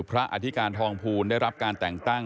อธิการทองภูลได้รับการแต่งตั้ง